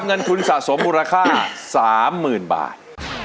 เงินคุณสะสมมูลค่าสามหมื่นบาท